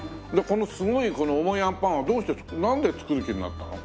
このすごい重いあんパンはどうしてなんで作る気になったの？